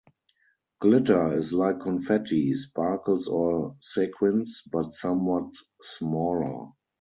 Glitter is like confetti, sparkles, or sequins, but somewhat smaller.